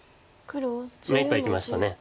目いっぱいいきました。